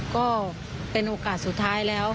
ก็เป็นโอกาสสุดท้ายแล้ว